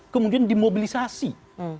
kemudian dimobilisasi hmm